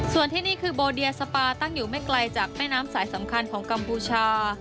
ส่วนที่นี่คือโบเดียสปาตั้งอยู่ไม่ไกลจากแม่น้ำสายสำคัญของกัมพูชา